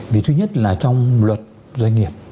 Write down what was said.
vì thứ nhất là trong luật doanh nghiệp